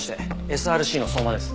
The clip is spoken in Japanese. ＳＲＣの相馬です。